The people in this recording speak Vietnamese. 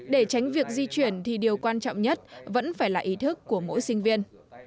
để tránh việc di chuyển thì điều quan trọng nhất vẫn phải là ý thức của mỗi sinh viên